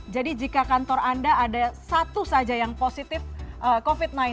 jadi jika kantor anda ada satu saja yang positif covid sembilan belas